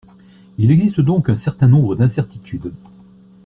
Il existe donc un certain nombre d’incertitudes.